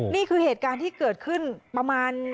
นี่คือเหตุการณ์ที่เกิดขึ้นประมาณ